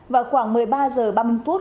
vào khoảng một mươi ba h ba mươi phút